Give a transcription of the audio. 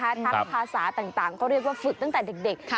ทั้งภาษาต่างก็เรียกว่าฝึกตั้งแต่เด็ก